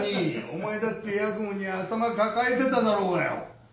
お前だって八雲にゃ頭抱えてただろうがよ。